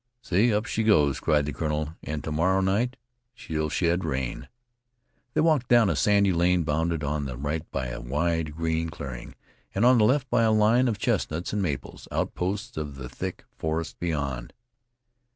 "See, up she goes," cried the colonel, "and to morrow night she'll shed rain." They walked down a sandy lane bounded on the right by a wide, green clearing, and on the left by a line of chestnuts and maples, outposts of the thick forests beyond.